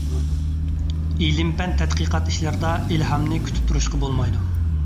ئىلىم پەن تەتقىقات ئىشلىرىدا ئىلھامنى كۈتۈپ تۇرۇشقا بولمايدۇ.